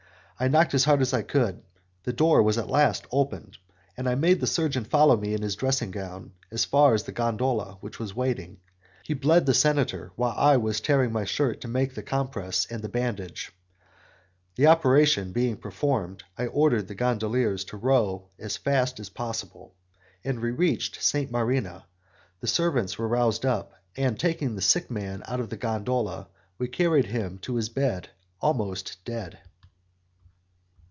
I knocked as hard as I could; the door was at last opened, and I made the surgeon follow me in his dressing gown as far as the gondola, which was waiting; he bled the senator while I was tearing my shirt to make the compress and the bandage. The operation being performed, I ordered the gondoliers to row as fast as possible, and we soon reached St. Marina; the servants were roused up, and taking the sick man out of the gondola we carried him to his bed almost dead.